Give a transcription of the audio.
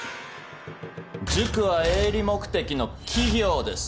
塾は営利目的の企業です。